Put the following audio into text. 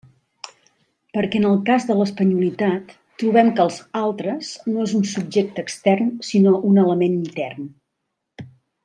Perquè en el cas de l'espanyolitat trobem que els «altres» no és un subjecte extern sinó un element intern.